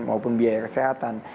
maupun biaya kesehatan